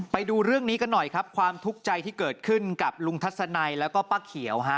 ไปดูเรื่องนี้กันหน่อยครับความทุกข์ใจที่เกิดขึ้นกับลุงทัศนัยแล้วก็ป้าเขียวฮะ